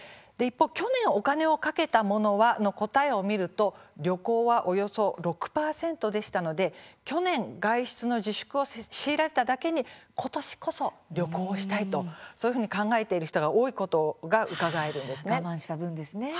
去年、お金をかけたものはの答えを見ると旅行はおよそ６％でしたので去年、外出の自粛を強いられただけにことしは旅行したいと考えている人が多いことがうかがえます。